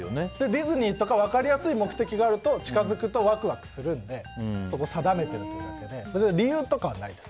ディズニーとか分かりやすい目的があると近づくと、ワクワクするのでそこに定めているだけで理由とかはないです。